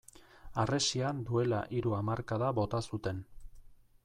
Harresia duela hiru hamarkada bota zuten.